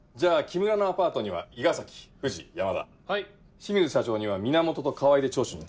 清水社長には源と川合で聴取に行ってくれ。